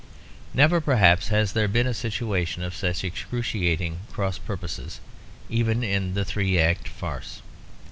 Never perhaps has there been a situation of such excruciating cross purposes even in the three act farce.